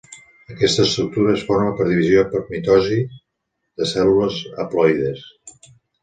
Aquesta estructura es forma per divisió per mitosi de cèl·lules haploides.